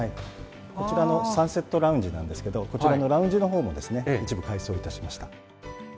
こちらのサンセットラウンジなんですけど、こちらのラウンジのほうも一部改装いたしました。